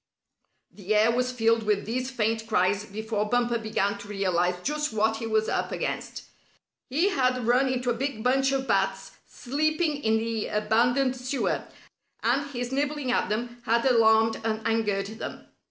The air was filled with these faint cries before Bumper began to realize just what he was up against. He had run into a big bunch of bats sleeping in the abandoned sewer, and his nibbling at them had alarmed and angered them.